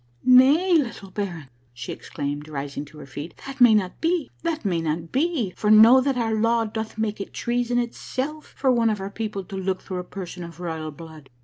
"Nay, little baron," she exclaimed, rising to her feet, "that may not be, that may not be, for know that our law doth make it treason itself for one of our people to look through a person of royal blood.